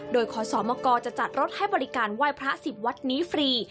โดยขอสมกจะจัดรถให้บริการไหว้พระ๑๐วัดนี้ฟรี